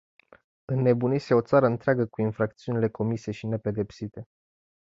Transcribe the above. Înnebunise o țară întreagă cu infracțiunile comise și nepedepsite.